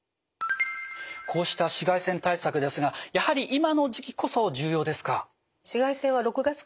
こうした紫外線対策ですがやはり今の時期こそ重要ですか？